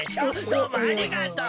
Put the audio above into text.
どうもありがとう。